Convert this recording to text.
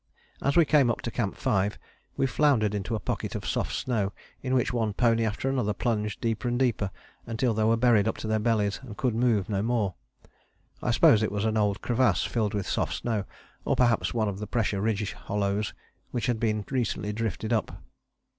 As we came up to Camp 5 we floundered into a pocket of soft snow in which one pony after another plunged deeper and deeper until they were buried up to their bellies and could move no more. I suppose it was an old crevasse filled with soft snow, or perhaps one of the pressure ridge hollows which had been recently drifted up.